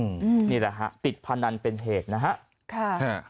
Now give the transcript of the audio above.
อืมนี่แหละฮะติดพนันเป็นเหตุนะฮะค่ะฮะ